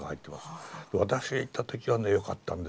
私が行った時はねよかったんですよ。